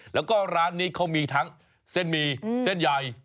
แล้วก็ร้านนี้เขามีทั้งเส้นหมี่เส้นใหญ่